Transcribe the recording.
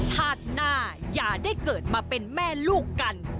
ธาตุหน้าอย่าได้เกิดมาเป็นแม่ลูกกัน